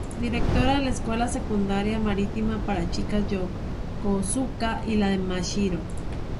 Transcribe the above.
Directora de la Escuela Secundaria Marítima para Chicas Yokosuka y la de Mashiro.